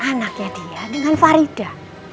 anaknya dia dengan farida